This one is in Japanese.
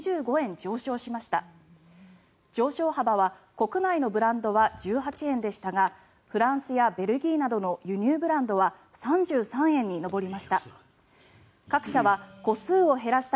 上昇幅は国内のブランドは１８円でしたがフランスやベルギーなどの輸入ブランドは３３円に上りました。